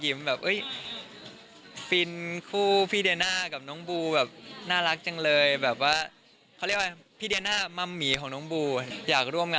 โอ้ให้ฟังนิดนึง